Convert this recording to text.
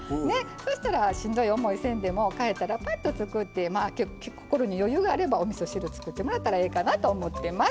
そしたらしんどい思いせんでも帰ったらぱっと作ってまあ心に余裕があればおみそ汁作ってもらったらええかなと思ってます。